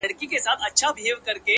د ميني درد؛